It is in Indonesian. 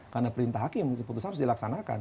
karena perintah hakim putusan harus dilaksanakan